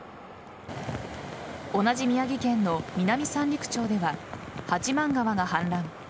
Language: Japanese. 同じ宮城県の南三陸町では八幡川が氾濫。